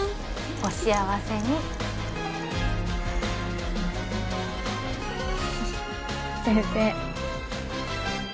お幸せに先生